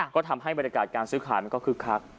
ก็ทำให้บรรยากาศการซื้อขายมันก็คึกคัก